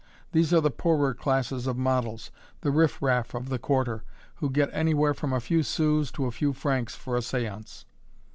These are the poorer class of models the riff raff of the Quarter who get anywhere from a few sous to a few francs for a séance.